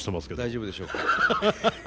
大丈夫でしょうか？